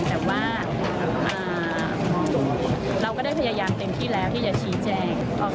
แต่ว่าเราก็ได้พยายามเต็มที่แล้วที่จะชี้แจง